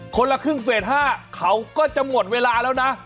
คนละครึ่งเฟส๕เขาก็จะหมดเวลาแล้วนะ